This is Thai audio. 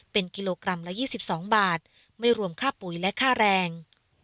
เป็นกิโลกรัมละ๒๒บาทไม่รวมค่าปุ๋ยและค่าแรง